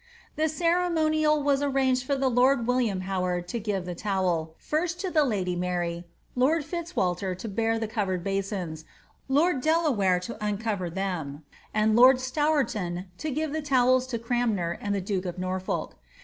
The ceremonial was arranged for the lord William Howard to give the towel, first to the lady Maiy, lord Fitzwalter to beat the covered basins, lord Delawar to uncover them, and lord Stourton to give the towels to Granmer and the duke of Norfolk.